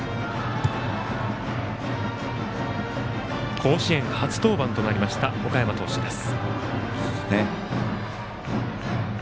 甲子園初登板となりました岡山投手です。